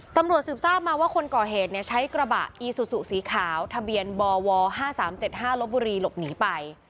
ตำรวจสืบทราบมาว่าคนก่อเหตุใช้กระบะอีซูซูสีขาวทะเบียนบว๕๓๗๕ลบบุรีหลบหนีไป